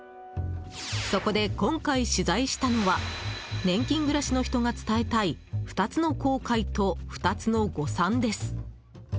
そこで今回取材したのは年金暮らしの人が伝えたい２つの後悔と２つの誤算です。